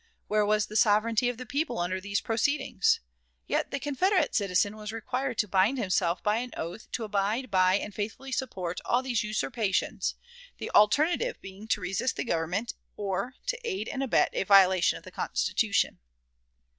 Where was the sovereignty of the people under these proceedings? Yet the Confederate citizen was required to bind himself by an oath to abide by and faithfully support all these usurpations; the alternative being to resist the Government, or to aid and abet a violation of the Constitution.